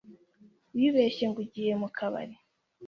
wibeshye ngo ugiye mu kabari